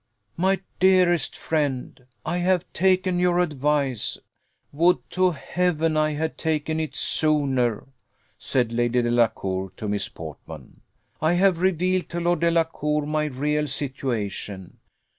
"My dearest friend, I have taken your advice: would to Heaven I had taken it sooner!" said Lady Delacour to Miss Portman. "I have revealed to Lord Delacour my real situation.